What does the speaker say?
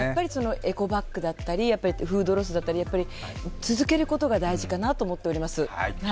エコバッグだったりフードロスだったり、続けることが大事かなと思っております。